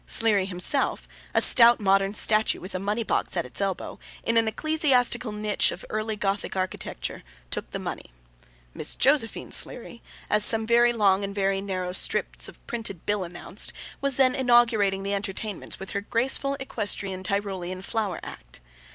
Sleary himself, a stout modern statue with a money box at its elbow, in an ecclesiastical niche of early Gothic architecture, took the money. Miss Josephine Sleary, as some very long and very narrow strips of printed bill announced, was then inaugurating the entertainments with her graceful equestrian Tyrolean flower act.